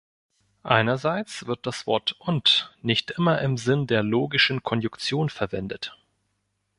Einerseits wird das Wort „und“ nicht immer im Sinn der logischen Konjunktion verwendet.